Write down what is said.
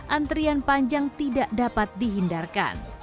antrian panjang tidak dapat dihindarkan